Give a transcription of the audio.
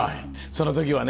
その時はね